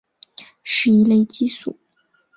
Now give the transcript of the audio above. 是一类激素。